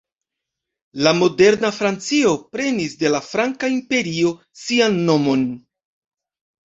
La moderna Francio prenis de la Franka Imperio sian nomon.